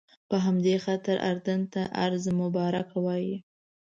په همدې خاطر اردن ته ارض مبارکه وایي.